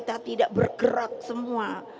kita tidak bergerak semua